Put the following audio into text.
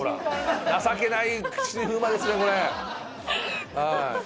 情けない菊池風磨ですねこれ。